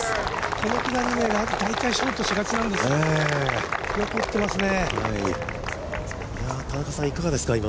この下り、大体ショートしがちなんですが、よく打ってますね。